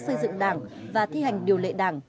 xây dựng đảng và thi hành điều lệ đảng